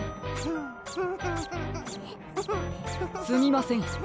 すみません